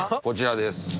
こちらです。